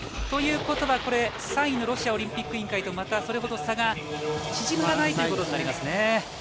ということは、３位のロシアオリンピック委員会とまたそれほど差が縮まないことになりますね。